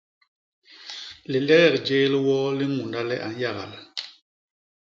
Lilegek jéé li woo li ñunda le a nyagal.